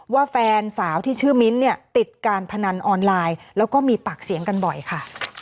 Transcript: แฟนสาวที่ชื่อมิ้นท์เนี่ยติดการพนันออนไลน์แล้วก็มีปากเสียงกันบ่อยค่ะ